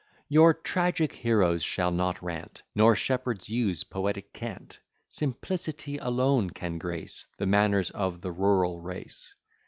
Your tragic heroes shall not rant, Nor shepherds use poetic cant. Simplicity alone can grace The manners of the rural race.